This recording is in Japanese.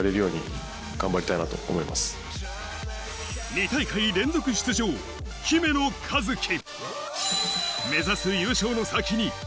２大会連続出場、姫野和樹。